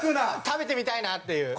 食べてみたいなっていう。